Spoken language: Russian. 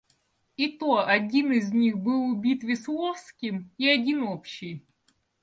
И то один из них был убит Весловским и один общий.